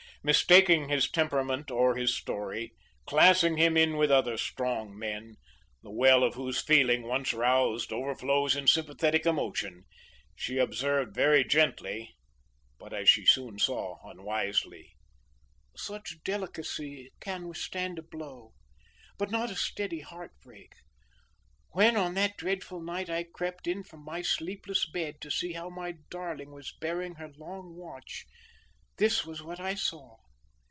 Mistaking his temperament or his story, classing him in with other strong men, the well of whose feeling once roused overflows in sympathetic emotion, she observed very gently but, as she soon saw, unwisely: "Such delicacy can withstand a blow, but not a steady heartbreak. When, on that dreadful night I crept in from my sleepless bed to see how my darling was bearing her long watch, this was what I saw.